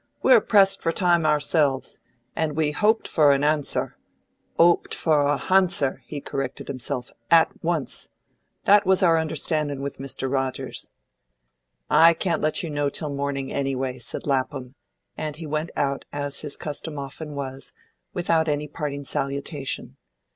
"We're pressed for time ourselves, and we hoped for an answer 'oped for a hanswer," he corrected himself, "at once. That was our understandin' with Mr. Rogers." "I can't let you know till morning, anyway," said Lapham, and he went out, as his custom often was, without any parting salutation.